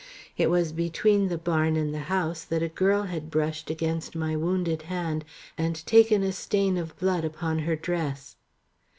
It was between the barn and the house that a girl had brushed against my wounded hand and taken a stain of blood upon her dress.